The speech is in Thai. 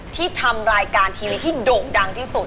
ที่ทำรายการทีวีที่โด่งดังที่สุด